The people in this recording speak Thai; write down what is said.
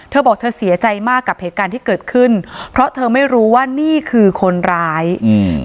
เธอบอกเธอเสียใจมากกับเหตุการณ์ที่เกิดขึ้นเพราะเธอไม่รู้ว่านี่คือคนร้ายอืม